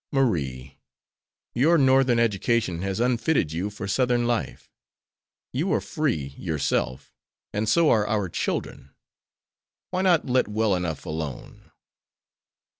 "Marie, your Northern education has unfitted you for Southern life. You are free, yourself, and so are our children. Why not let well enough alone?"